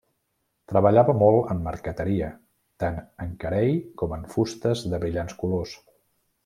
Treballava molt en marqueteria, tant en carei com en fustes de brillants colors.